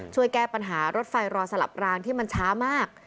ช่วยแก้ปัญหารถไฟรอสลับรางที่มันช้ามาก